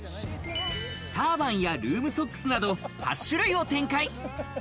ターバンやルームソックスなど８種類を展開。